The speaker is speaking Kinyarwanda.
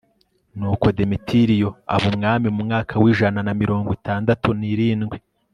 nuko demetiriyo aba umwami mu mwaka w'ijana na mirongo itandatu n'irindwi